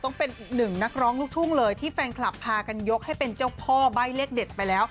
ต้องเป็นอีกหนึ่งนักร้องลูกทุ่งเลยที่แฟนคลับพากันยกให้เป็นเจ้าพ่อใบ้เลขเด็ดไปแล้ว